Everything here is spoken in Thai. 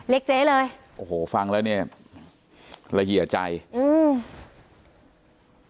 เล็กเจเลยโอ้โหฟังแล้วเนี้ยละเหี่ยใจอืม